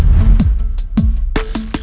gak ada yang nungguin